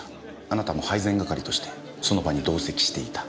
あなたも配膳係としてその場に同席していた。